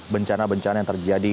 bencana bencana yang terjadi